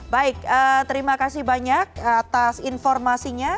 baik terima kasih banyak atas informasinya